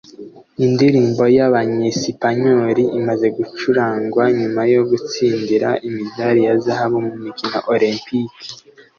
Indirimbo yabanyesipanyoli imaze gucurangwa nyuma yo gutsindira imidari ya zahabu mu mikino Olempike?